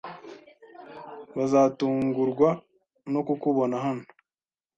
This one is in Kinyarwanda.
Bazatungurwa no kukubona hano.